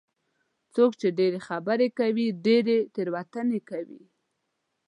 څوک چې ډېرې خبرې کوي، ډېرې تېروتنې کوي.